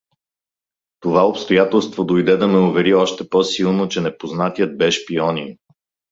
Това обстоятелство дойде да ме увери още по-силно, че непознатият бе шпионин.